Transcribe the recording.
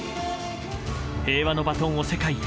「平和のバトンを世界へ。